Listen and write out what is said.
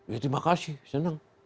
ya terima kasih senang